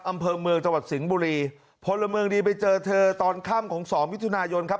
อำเภอเมืองจังหวัดสิงห์บุรีพลเมืองดีไปเจอเธอตอนค่ำของสองมิถุนายนครับ